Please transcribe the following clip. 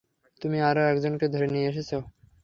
তুমি আরো একজনকে ধরে নিয়ে এসেছ।